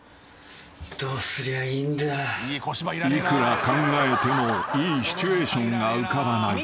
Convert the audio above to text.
［いくら考えてもいいシチュエーションが浮かばない］